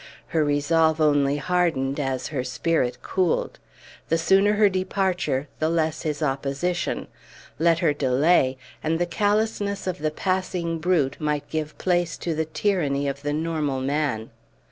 Her resolve only hardened as her spirit cooled. The sooner her departure, the less his opposition; let her delay, and the callousness of the passing brute might give place to the tyranny of the normal man.